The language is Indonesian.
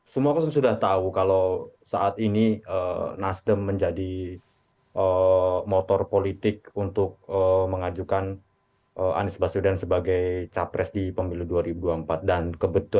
semua kan sudah tahu kalau saat ini nasdem menjadi motor politik untuk mengajukan anies baswedan sebagai capres di pemilu dua ribu dua puluh empat